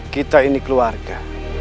kita ini keluarga